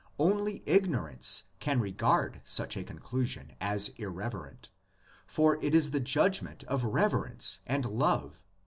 Only ignorance can regard such a conclusion as irreverent, for it is the judgment of reverence and love.